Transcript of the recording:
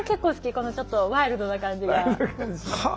このちょっとワイルドな感じが。